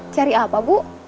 cari apa bu